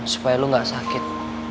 supaya lu gak sakit